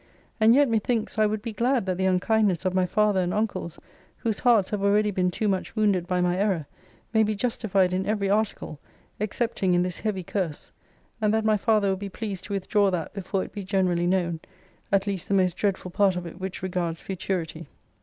And yet, methinks, I would be glad that the unkindness of my father and uncles, whose hearts have already been too much wounded by my error, may be justified in every article, excepting in this heavy curse: and that my father will be pleased to withdraw that before it be generally known: at least the most dreadful part of it which regards futurity!